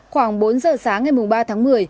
khoảng bốn giờ sáng ngày ba tháng một mươi